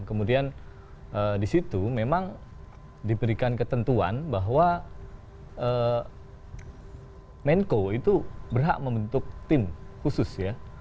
kemudian di situ memang diberikan ketentuan bahwa menko itu berhak membentuk tim khusus ya